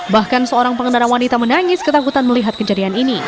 bahkan seorang pengendara wanita menangis ketakutan melihat kejadian ini